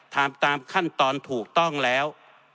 ทำตามขั้นตอนถูกต้องแล้ว